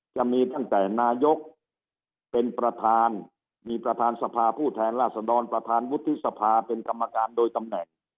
จะมีตั้งแต่นายกเป็นประธานมีประธานสภาผู้แทนราษฎรประธานวุฒิสภาเป็นกรรมการโดยตำแหน่ง